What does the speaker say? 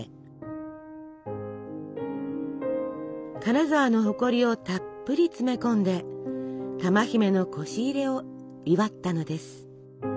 金沢の誇りをたっぷり詰め込んで珠姫のこし入れを祝ったのです。